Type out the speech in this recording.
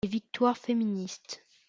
Les victoires féministes.